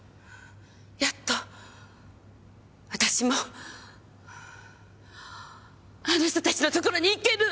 やっと私もあの人たちのところにいける！